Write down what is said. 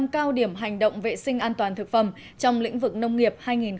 năm cao điểm hành động vệ sinh an toàn thực phẩm trong lĩnh vực nông nghiệp hai nghìn một mươi bảy